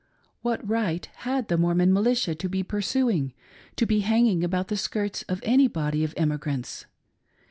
What right had the Mormon militia to be pursuing, to be hanging about the skirts of any body of emigrants.